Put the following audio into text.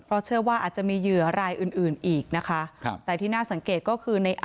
เพราะเชื่อว่าอาจจะมีเหยื่อรายอื่นอื่นอีกนะคะครับแต่ที่น่าสังเกตก็คือใน